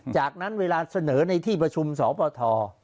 จากนั้นเวลาเสนอในที่ประชุมสปท